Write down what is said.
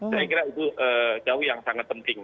saya kira itu jauh yang sangat penting